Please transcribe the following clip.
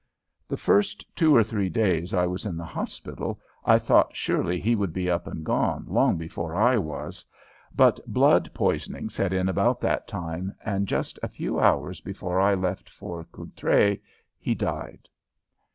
The first two or three days I was in the hospital I thought surely he would be up and gone long before I was, but blood poisoning set in about that time and just a few hours before I left for Courtrai he died.